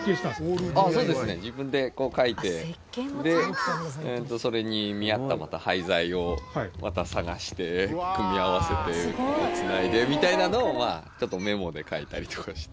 自分でこう書いてでそれに見合った廃材をまた探して組み合わせて繋いでみたいなのをちょっとメモで書いたりとかして。